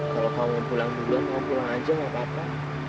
kalau kamu mau pulang bulan kamu pulang aja gak apa apa